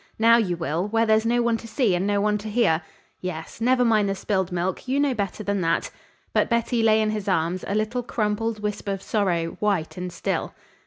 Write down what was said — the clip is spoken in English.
Now you will, where there's no one to see and no one to hear? Yes. Never mind the spilled milk, you know better than that." But Betty lay in his arms, a little crumpled wisp of sorrow, white and still.